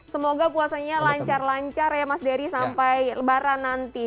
semoga puasanya lancar lancar ya mas dery sampai lebaran nanti